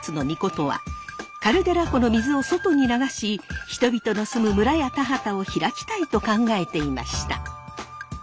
命はカルデラ湖の水を外に流し人々の住む村や田畑を開きたいと考えていました。